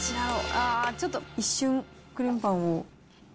ちょっと一瞬、クリームパンを。